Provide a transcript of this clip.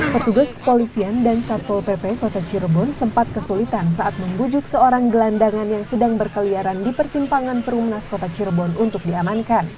petugas kepolisian dan satpol pp kota cirebon sempat kesulitan saat membujuk seorang gelandangan yang sedang berkeliaran di persimpangan perumnas kota cirebon untuk diamankan